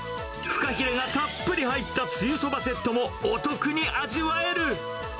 フカヒレがたっぷり入ったつゆそばセットもお得に味わえる。